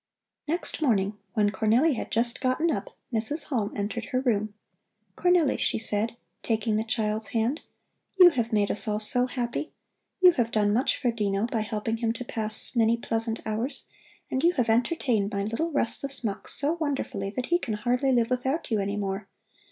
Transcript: Next morning, when Cornelli had just gotten up, Mrs. Halm entered her room. "Cornelli," she said, taking the child's hand, "you have made us all so happy! You have done much for Dino by helping him to pass many pleasant hours, and you have entertained my little restless Mux so wonderfully that he can hardly live without you any more.